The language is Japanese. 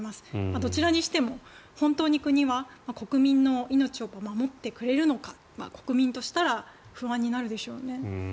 どちらにしても本当に国は国民の命を守ってくれるのか国民としたら不安になるでしょうね。